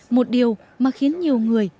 một điều mà khiến nhiều người